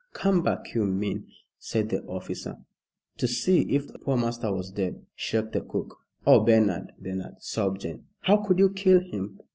"Come back, you mean," said the officer. "To see if poor master was dead," shrieked the cook. "Oh, Bernard Bernard!" sobbed Jane, "how could you kill him!